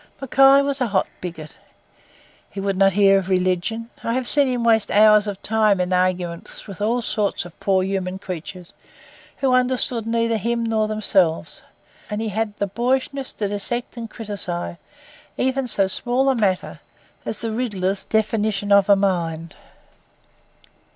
Mackay was a hot bigot. He would not hear of religion. I have seen him waste hours of time in argument with all sorts of poor human creatures who understood neither him nor themselves, and he had had the boyishness to dissect and criticise even so small a matter as the riddler's definition of mind.